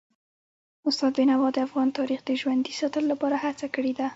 استاد بینوا د افغان تاریخ د ژوندي ساتلو لپاره هڅه کړي ده.